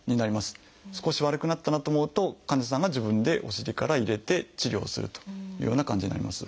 少し悪くなったなと思うと患者さんが自分でお尻から入れて治療をするというような感じになります。